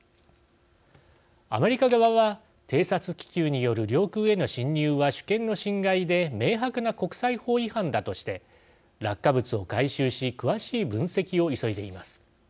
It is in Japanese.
アメリカ側は偵察気球による領空への侵入は主権の侵害で明白な国際法違反だとして落下物を回収し詳しい分析を急いでいます。